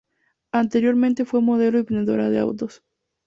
Anteriormente fue modelo y vendedora de autos.